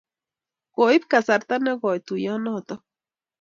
Koip kasarta nekoy tuyonotok